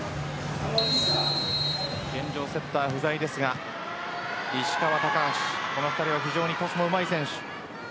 現状、セッター不在ですが石川、高橋、この２人は非常にトスがうまい選手。